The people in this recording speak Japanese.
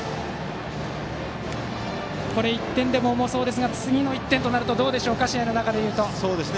１点でも重そうですが次の１点となるとどうでしょう、試合の中でいうと。